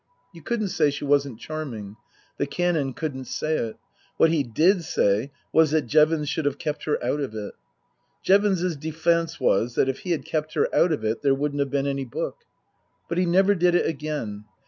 You couldn't say she wasn't charming. The Canon couldn't say it ; what he did say was that Jevons should have kept her out of it. Jevons's defence was that if he had kept her out of it there wouldn't have been any book. But he never did it again.